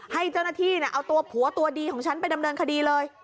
ให้เจ้าหน้าที่เอาตัวผัวตัวดีของฉันไปดำเนินคดีเลย